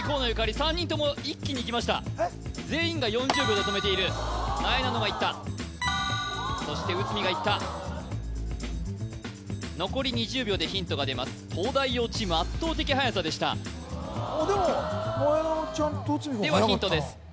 ３人とも一気にいきました全員が４０秒で止めているなえなのがいったそして内海がいった残り２０秒でヒントが出ます東大王チーム圧倒的はやさでしたあでもなえなのちゃんと内海もはやかったではヒントです